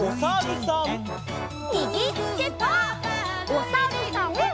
おさるさん。